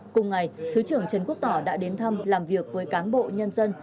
cùng ngày thứ trưởng trần quốc tỏ đã đến thăm làm việc với cán bộ nhân dân